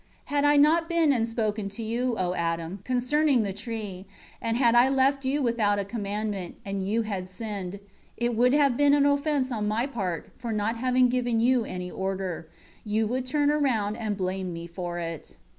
18 Had I not been and spoken to you, O Adam, concerning the tree, and had I left you without a commandment, and you had sinned it would have been an offence on My part, for not having given you any order; you would turn around and blame Me for it.